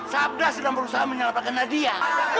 sabda sedang berusaha menyalatakan nadia